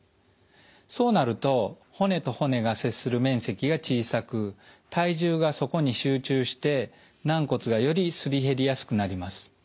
そうなると骨と骨が接する面積が小さく体重がそこに集中して軟骨がよりすり減りやすくなります。